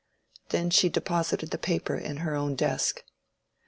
Then she deposited the paper in her own desk.